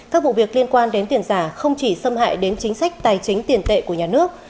các vụ việc liên quan đến tiền giả không chỉ xâm hại đến chính sách tài chính tiền tệ của nhà nước